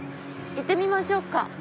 行ってみましょうか。